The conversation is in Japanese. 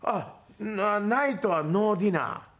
ナイトはノーディナー？